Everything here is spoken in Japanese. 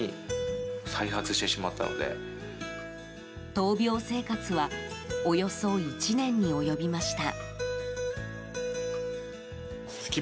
闘病生活はおよそ１年に及びました。